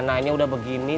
gak yang bei di sini